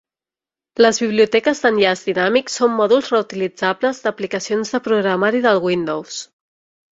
Les biblioteques d'enllaç dinàmic són mòduls reutilitzables d'aplicacions de programari del Windows.